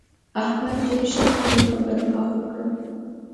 احمد ډېر ژر خپله خبره پاکه کړه.